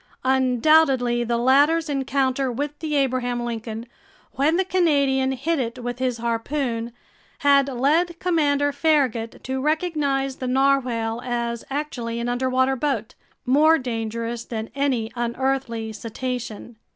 Undoubtedly the latter's encounter with the Abraham Lincoln, when the Canadian hit it with his harpoon, had led Commander Farragut to recognize the narwhale as actually an underwater boat, more dangerous than any unearthly cetacean!